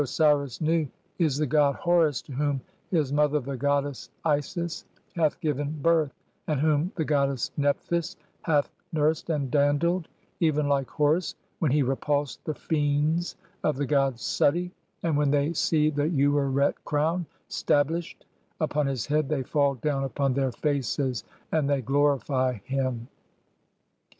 The "Osiris Nu is the god Horus to whom his mother the goddess "Isis hath given birth, (10) and whom the goddess Nephthys hath "nursed and dandled, even like Horus when [he] repulsed the "fiends of the god Suti ; and when they see the ureret crown "stablished (1 1) upon his head they fall down upon their faces "and they glorify [him].